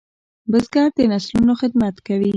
بزګر د نسلونو خدمت کوي